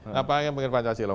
ngapain mikir pancasila